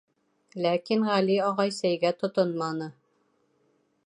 Ләкин Ғәли ағай сәйгә тотонманы.